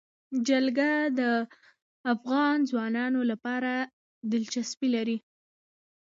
جلګه د افغان ځوانانو لپاره دلچسپي لري.